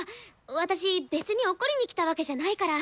私別に怒りに来たわけじゃないから！